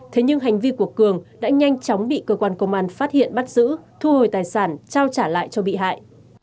thế nhưng hành vi của cường đã nhanh chóng bị cơ quan công an phát hiện bắt giữ thu hồi tài sản trao trả lại cho bị hại